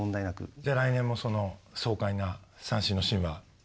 じゃ来年もその爽快な三振のシーンは見られると。